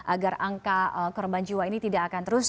agar angka korban jiwa ini tidak akan terus